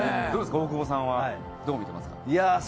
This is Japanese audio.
大久保さんはどうですか？